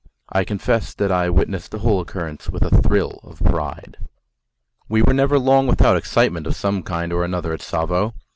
I confess that I witnessed the whole occurrence with a thrill of pride. We were never long without excitement of some kind or another at Tsavo.